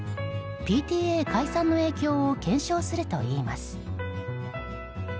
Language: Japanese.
ＰＴＡ解散の影響を検証するといいます。